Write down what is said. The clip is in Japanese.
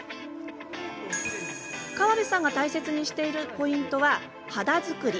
川邉さんが大切にしているポイントは、肌作り。